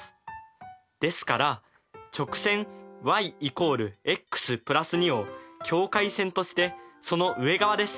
ですから直線ｙ＝ｘ＋２を境界線としてその上側です。